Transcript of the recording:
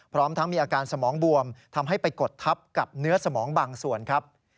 พร้อมทั้งมีอาการสมองบวมทำให้ไปกดทับกับเนื้อสมองบางส่วนครับ